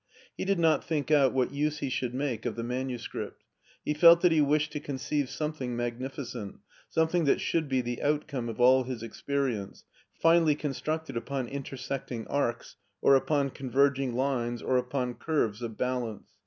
He did not think out what use he should make of the manuscript; he felt that he wished to conceive some thing magnificent, something that should be the out come of all his experience, finely constructed upon intersecting arcs or upon converging lines or upon curves of balance.